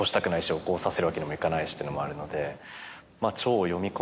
起こさせるわけにもいかないしっていうのもあるので。